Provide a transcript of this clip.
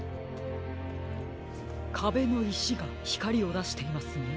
かべのいしがひかりをだしていますね。